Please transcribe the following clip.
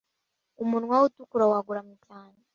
Umunwa we utukura wagoramye cyane